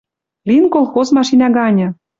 Лин колхоз машинӓ ганьы.